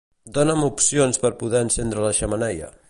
Dona'm opcions per poder encendre la xemeneia